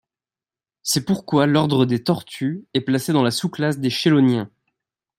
C'est pourquoi l'ordre des tortues est placé dans la sous-classe des chéloniens.